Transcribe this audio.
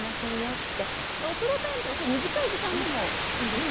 お風呂タイムとかそういう短い時間でもいいんですかね？